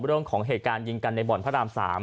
เรื่องของเหตุการณ์ยิงกันในบ่อนพระราม๓